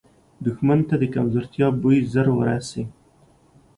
دښمن ته د کمزورتیا بوی ژر وررسي